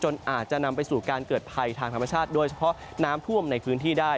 อาจจะนำไปสู่การเกิดภัยทางธรรมชาติโดยเฉพาะน้ำท่วมในพื้นที่ได้